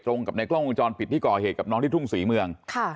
ตรงกับในกล้องวงจรปิดที่ก่อเหตุกับน้องที่ทุ่งศรีเมือง